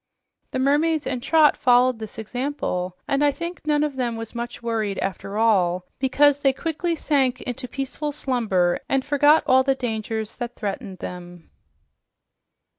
The mermaids and Trot followed this example, and I think none of them was much worried, after all, because they quickly sank into peaceful slumber and forgot all the dangers that threatened them.